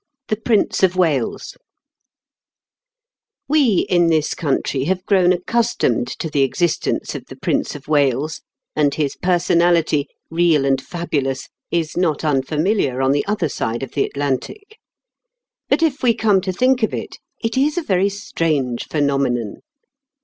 THE PRINCE OF WALES We in this country have grown accustomed to the existence of the Prince of Wales, and his personality, real and fabulous, is not unfamiliar on the other side of the Atlantic. But if we come to think of it, it is a very strange phenomenon.